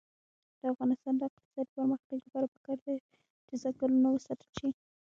د افغانستان د اقتصادي پرمختګ لپاره پکار ده چې ځنګلونه وساتل شي.